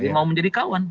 yang mau menjadi kawan